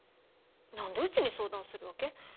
何でうちに相談するわけ？